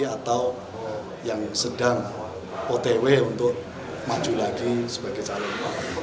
atau yang sedang otw untuk maju lagi sebagai calon